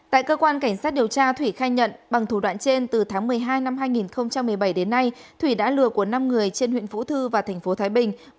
tại cơ quan cảnh sát điều tra thủy khai nhận bằng thủ đoạn trên từ tháng một mươi hai năm hai nghìn một mươi bảy đến nay thủy đã lừa của năm người trên huyện vũ thư và thành phố thái bình